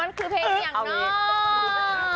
มันคือเพลงอย่างน้อย